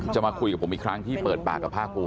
มาคุยกับผมอีกครั้งที่เปิดปากกับภาคภูมิ